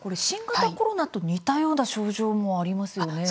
新型コロナと似たような症状もありますよね。